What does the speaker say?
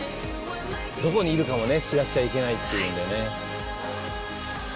どこにいるかも知らせちゃいけないっていうんでね。